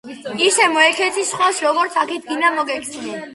ისე მოექეცი სხვას როგორც აქეთ გინდა მოგექცნენ